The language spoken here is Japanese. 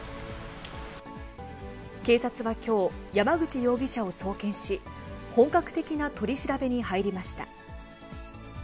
警察はきょう、山口容疑者を送検し、本格的な取り調べに入りました。